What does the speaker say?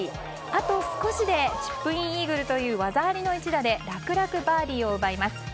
あと少しでチップインイーグルという技ありの一打で楽々、バーディーを奪います。